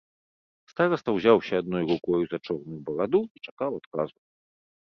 Стараста ўзяўся адной рукою за чорную бараду і чакаў адказу.